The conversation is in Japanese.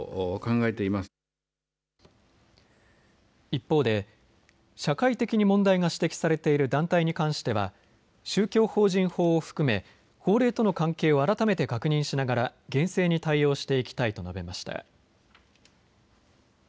一方で社会的に問題が指摘されている団体に関しては宗教法人法を含め法令との関係を改めて確認しながら厳正に対応していきたいと述べました。